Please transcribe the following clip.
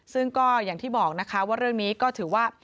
ซึ่งก็อย่างที่บอกนะคะว่าเรื่องนี้ก็ถือว่า